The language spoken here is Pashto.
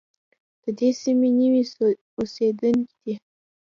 د دې سیمې نوي اوسېدونکي دي.